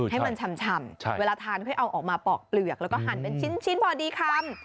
ให้มันชำเวลาทานค่อยเอาออกมาปอกเปลือกแล้วก็หั่นเป็นชิ้นพอดีคำ